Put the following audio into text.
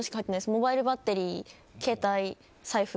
モバイルバッテリー携帯、財布